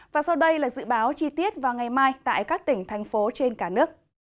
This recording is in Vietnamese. và sau đây là dự báo chi tiết vào ngày mai tại các tỉnh thành phố trên cả nước